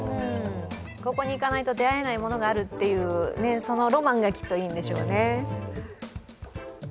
ここに行かないと出会えないものがあるという、そのロマンがきっといいんでしょうね。